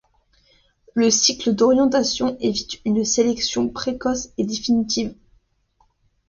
Le cycle d'orientation évite une sélection précoce et définitive.